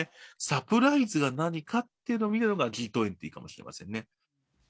サプライズが何かというのを見ればＧ２０かもしれませんね。